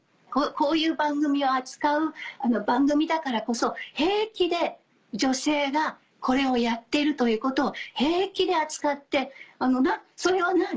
こういう番組を扱う番組だからこそ平気で女性がこれをやってるということを平気で扱ってそれは何？